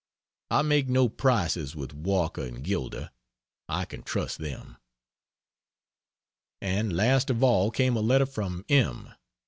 I make no prices with Walker and Gilder I can trust them. And last of all came a letter from M